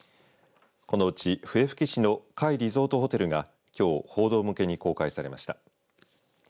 このうち、笛吹市の甲斐リゾートホテルがきょう報道向けに公開されました。